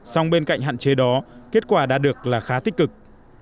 song bên cạnh hạn chế đó kết quả đã được là khá tích cực